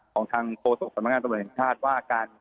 ของทางโฟสักษ์สำมัครตำรวจแห่งชาติว่าการ